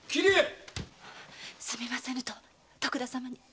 「すみませぬ」と徳田様に。